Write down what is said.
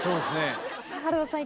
原田さん